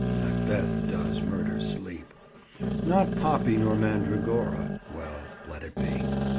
"Macbeth does murder sleep." Not poppy nor mandragora—well, let it be.